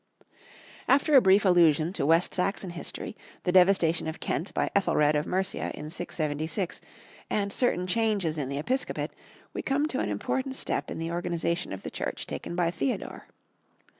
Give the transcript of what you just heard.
After a brief allusion to West Saxon history, the devastation of Kent by Ethelred of Mercia in 676, and certain changes in the episcopate, we come to an important step in the organization of the Church taken by Theodore.